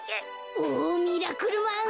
おミラクルマン。